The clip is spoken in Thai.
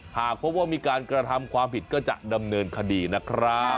หากพบว่ามีการกระทำความผิดก็จะดำเนินคดีนะครับ